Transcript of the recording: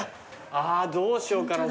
あぁどうしようかな。